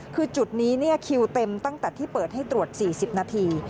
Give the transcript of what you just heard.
คือจุดนี้คิวเต็มตั้งแต่ที่เปิดให้ตรวจ๔๐นาที